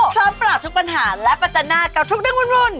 พร้อมปราบทุกปัญหาและปัจจนากับทุกเรื่องวุ่น